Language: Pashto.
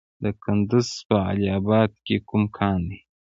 د کندز په علي اباد کې کوم کان دی؟